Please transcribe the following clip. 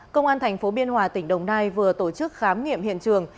công an tp biên hòa tỉnh đồng nai vừa tổ chức khám nghiệm hiện trường